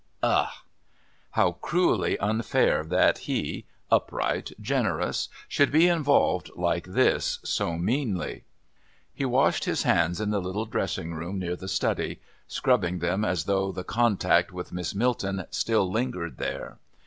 ugh! How cruelly unfair that he, upright, generous, should be involved like this so meanly. He washed his hands in the little dressing room near the study, scrubbing them as though the contact with Miss Milton still lingered there.